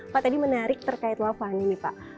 pak tadi menarik terkait wafah ini pak